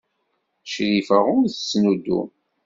Crifa ur tettnuddum.